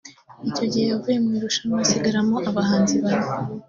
icyo gihe yavuye mu irushanwa hasigaramo abahanzi bane